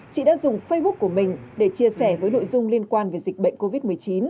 chị đã dùng facebook của mình để chia sẻ với nội dung liên quan về dịch bệnh covid một mươi chín